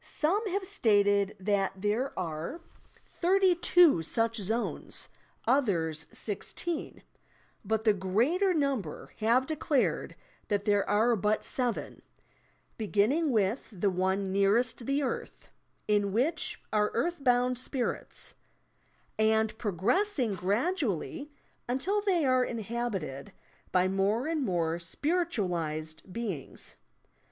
Some have stated that there are thirty \ f THE SPIRIT WORLD 49 two such zones, others sixteen, but the greater number have declared that there are but eeven, — beginning with the one nearest the earlh, in which are earthbound spirits, and progressing gradually until they are in habited by more and more spiritualized beings.